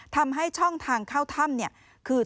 ทำให้ช่องทางเข้าถ้ำคือ